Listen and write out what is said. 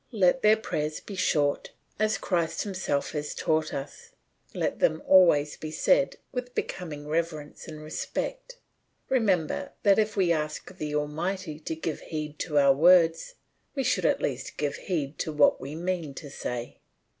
Let their prayers be short, as Christ himself has taught us. Let them always be said with becoming reverence and respect; remember that if we ask the Almighty to give heed to our words, we should at least give heed to what we mean to say.